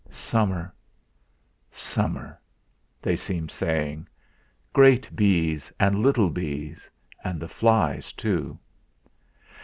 Summer summer they seemed saying; great bees and little bees, and the flies too!